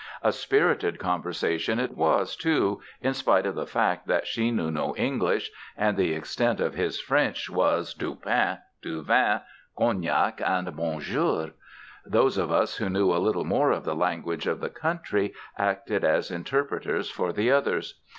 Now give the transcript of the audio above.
A spirited conversation it was, too, in spite of the fact that she knew no English and the extent of his French was "du pain," "du vin," "cognac" and "bon jour." Those of us who knew a little more of the language of the country acted as interpreters for the others.